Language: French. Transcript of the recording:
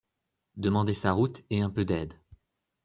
Demander sa route et un peu d’aide.